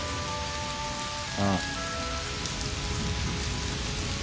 ああ。